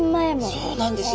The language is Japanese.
そうなんです。